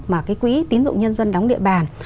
mà cái quỹ tín dụng nhân dân đóng địa bàn